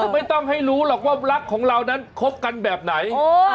ไม่ต้องให้รู้หรอกว่ารักของเรานั้นคบกันแบบไหน